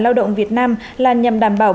lao động việt nam là nhằm đảm bảo